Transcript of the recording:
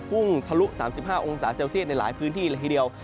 พุ่งทะลุ๓๕องศาเซลเซียตในหลายพื้นที่เลยทีเดียว